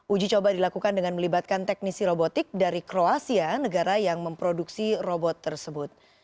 uji coba dilakukan dengan melibatkan teknisi robotik dari kroasia negara yang memproduksi robot tersebut